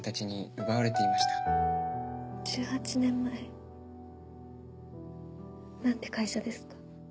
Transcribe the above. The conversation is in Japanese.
１８年前？なんて会社ですか？